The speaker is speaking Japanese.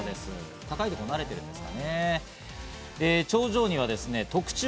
高いところに慣れてるんですかね？